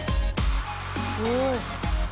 すごい。